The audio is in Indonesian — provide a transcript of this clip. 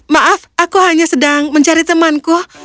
maaf aku hanya sedang mencari temanku